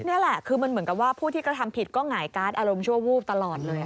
นี่แหละคือมันเหมือนกับว่าผู้ที่กระทำผิดก็หงายการ์ดอารมณ์ชั่ววูบตลอดเลย